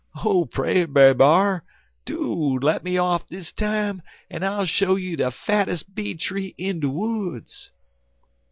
Oh, pray, Brer B'ar! do lemme off dis time, en I'll show you de fattes' bee tree in de woods.'